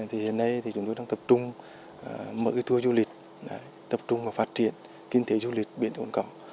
hiện nay chúng tôi đang tập trung mở cái tour du lịch tập trung phát triển kinh tế du lịch biển cồn cỏ